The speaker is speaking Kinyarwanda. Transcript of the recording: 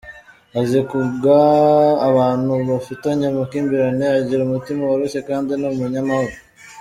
Azi kunga abantu bafitanye amakimbirane, agira umutima woroshye kandi ni umunyamahoro.